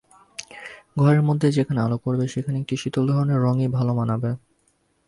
ঘরের মধ্যে যেখানে আলো পড়বে, সেখানে একটু শীতল ধরনের রংই ভালো মানাবে।